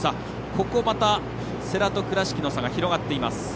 ここ、また世羅と倉敷の差が広がっています。